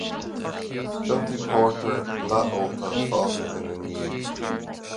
Piontaí pórtair leathólta fágtha ina ndiaidh.